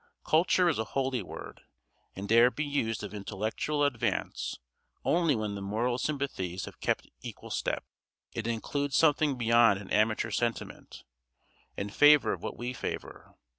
Culture is a holy word, and dare be used of intellectual advance only when the moral sympathies have kept equal step. It includes something beyond an amateur sentiment; in favor of what we favor.